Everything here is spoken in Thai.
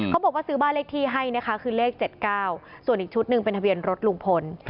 บอกว่าซื้อบ้านเลขที่ให้นะคะคือเลข๗๙ส่วนอีกชุดหนึ่งเป็นทะเบียนรถลุงพล